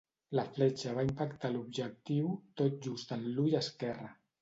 La fletxa va impactar l'objectiu tot just en l'ull esquerre.